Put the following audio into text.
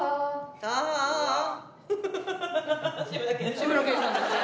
志村けんさんですね